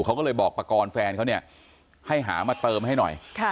เขาก็เลยบอกปากรแฟนเขาเนี่ยให้หามาเติมให้หน่อย